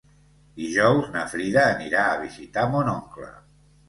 Dijous na Frida anirà a visitar mon oncle.